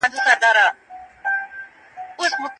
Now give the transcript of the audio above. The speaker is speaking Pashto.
سافټویر انجنیري د نړۍ روښانه راتلونکی دی.